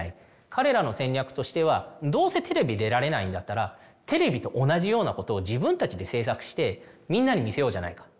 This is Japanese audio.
彼らの戦略としてはどうせテレビ出られないんだったらテレビと同じようなことを自分たちで制作してみんなに見せようじゃないか。